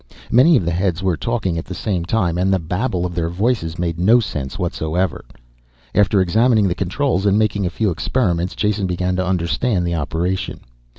Many of the heads were talking at the same time and the babble of their voices made no sense whatsoever. After examining the controls and making a few experiments, Jason began to understand the operation.